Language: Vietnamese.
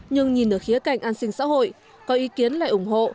nhưng nhìn ở khía cạnh an sinh xã hội có ý kiến lại ủng hộ